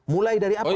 mulai dari apa